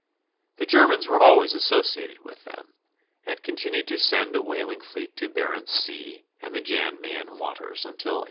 The Germans were always associated with them, and continued to send a whaling fleet to Barentz Sea and the Jan Mayen waters until 1873.